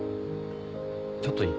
ちょっといい？